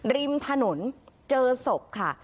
ริมถนนเจอศพค่ะ